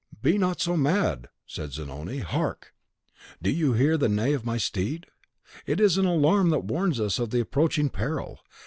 "Be not so mad," said Zanoni. "Hark! do you hear the neigh of my steed? it is an alarm that warns us of the approaching peril.